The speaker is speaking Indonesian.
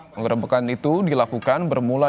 penggerebekan itu dilakukan bermula